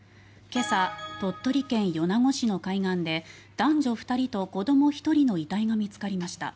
今朝鳥取県米子市の海岸で男女２人と子ども１人の遺体が見つかりました。